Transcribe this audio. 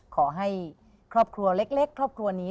ขอให้ครอบครัวเล็กครอบครัวนี้